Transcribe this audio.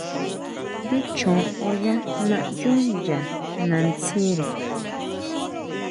Ndí chjon oyá naʼyu ya natsire.